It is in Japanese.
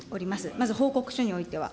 まず報告書においては。